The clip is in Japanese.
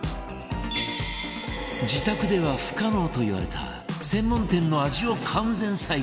自宅では不可能といわれた専門店の味を完全再現